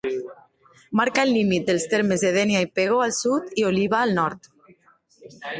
Marca el límit dels termes de Dénia i Pego al sud i Oliva al nord.